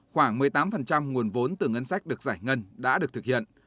khoảng một mươi tám nguồn vốn từ ngân sách được giải ngân đã được thực hiện